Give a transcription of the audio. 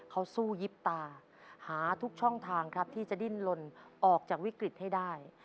เขาสู้ยิบตาหาทุกช่องทางครับที่จะดิ้นลนออกจากวิกฤตให้ได้